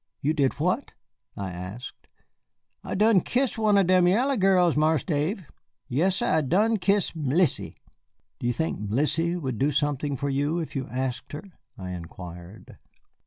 "You did what?" I asked. "I done kissed one of dem yaller gals, Marse Dave. Yass'r, I done kissed M'lisse." "Do you think Mélisse would do something for you if you asked her?" I inquired.